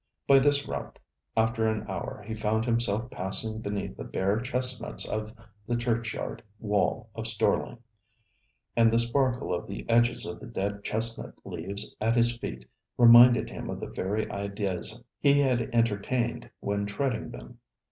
By this route, after an hour, he found himself passing beneath the bare chestnuts of the churchyard wall of Storling, and the sparkle of the edges of the dead chestnut leaves at his feet reminded him of the very ideas he had entertained when treading them.